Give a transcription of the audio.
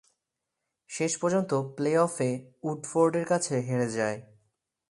শেষ পর্যন্ত প্লে-অফে উডফোর্ডের কাছে হেরে যায়।